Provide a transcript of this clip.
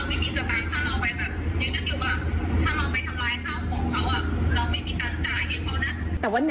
ถ้าเราไปทำร้ายข้าวของเขาเราไม่มีการจ่ายให้เขานะ